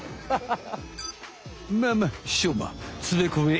あっ。